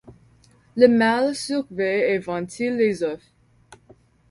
Le mâle surveille et ventile les œufs.